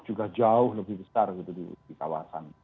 juga jauh lebih besar gitu di kawasan